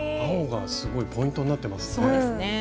青がすごいポイントになってますね。